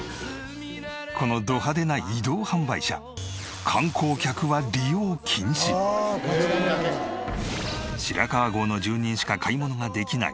このド派手な移動販売車白川郷の住人しか買い物ができない